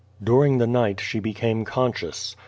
During the night she became conscious.